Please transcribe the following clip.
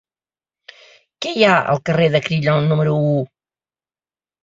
Què hi ha al carrer de Crillon número u?